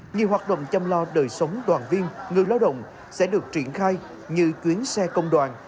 nhiều hoạt động chăm lo đời sống đoàn viên người lao động sẽ được triển khai như chuyến xe công đoàn